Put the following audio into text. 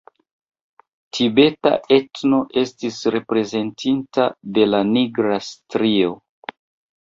Tibeta etno estis reprezentita de la nigra strio.